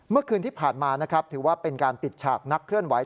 เมื่อคืนที่ผ่านมานะครับถือว่าเป็นการปิดฉากนักเคลื่อนไหว